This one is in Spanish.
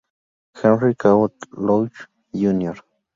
Henry Cabot Lodge, Jr.